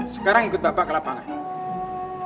sekarang ikut bapak ke lapangan